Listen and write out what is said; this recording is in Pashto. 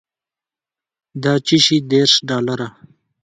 د چشي دېرش ډالره.